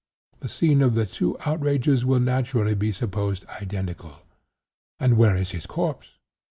The scene of the two outrages will naturally be supposed identical. And where is his corpse?